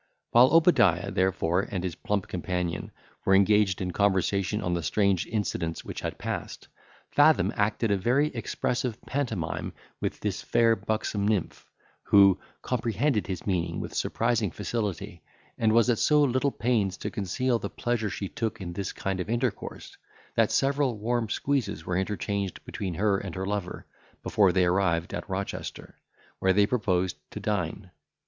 While Obadiah, therefore, and his plump companion, were engaged in conversation, on the strange incidents which had passed, Fathom acted a very expressive pantomime with this fair buxom nymph, who comprehended his meaning with surprising facility, and was at so little pains to conceal the pleasure she took in this kind of intercourse, that several warm squeezes were interchanged between her and her lover, before they arrived at Rochester, where they proposed to dine.